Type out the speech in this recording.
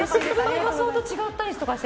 予想と違ったりして。